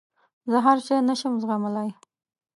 زه هر شی نه شم زغملای.